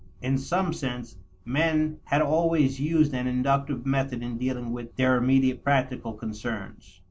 In some sense, men had always used an inductive method in dealing with their immediate practical concerns.